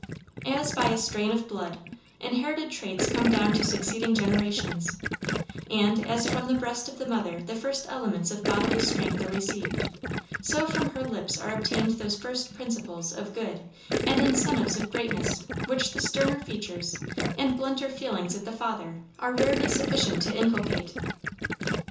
As by a strain of blood, inherited traits come down to succeeding generations, and, as from the breast of the mother the first elements of bodily strength are received, so from her lips are obtained those first principles of good and incentives of greatness which the sterner features and blunter feelings of the father are rarely sufficient to inculcate.